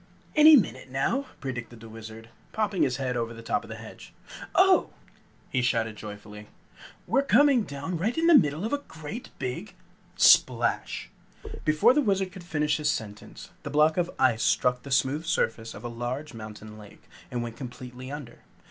"Any minute now," predicted the Wizard, popping his head over the top of the hedge. "Oh! It's going to be all right!" he shouted joyfully. "We're coming down right in the middle of a great big " SPLASH!!! Before the Wizard could finish his sentence, the block of ice struck the smooth surface of a large, mountain lake, and went completely under.